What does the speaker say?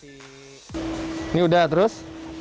ini udah terus